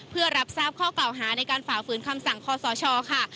เพื่อรับทราบข้อกล่าวหาในการฝ่าฝืนคำสั่งคอสชค่ะ